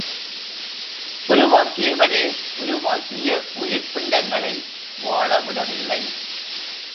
உருவாக்கியவரே, உருவாக்கிய உயிர்ப்பிண்டங்களை வாழ விடவில்லை!